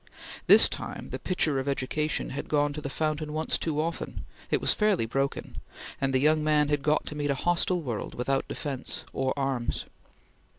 This time the pitcher of education had gone to the fountain once too often; it was fairly broken; and the young man had got to meet a hostile world without defence or arms.